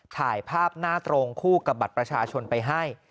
ถ่ายภาพหน้าตรงคู่กับบัตรประชาชนไปให้